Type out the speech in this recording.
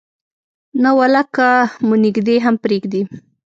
نه ولا که مو نږدې هم پرېږدي.